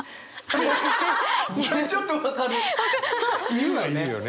いるはいるよね。